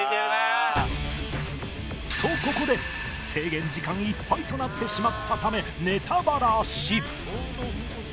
ここで制限時間いっぱいとなってしまったためネタバラし